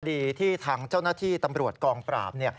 ที่ทางเจ้าหน้าที่ตำรวจกองปราบ